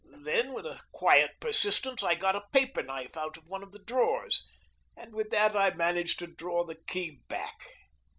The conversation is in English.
Then with quiet persistence I got a paper knife out of one of the drawers, and with that I managed to draw the key back.